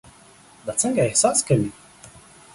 دا څنګه احساس کوي؟